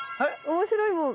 面白いもん。